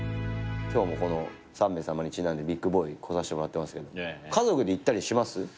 今日もこの『３名様』にちなんでビッグボーイ来させてもらってますけど家族で行ったりします？